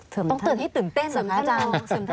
ต้องเตือนให้ตื่นเต้นนะครับ